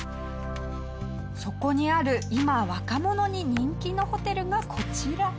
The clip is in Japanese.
そこにある今若者に人気のホテルがこちら。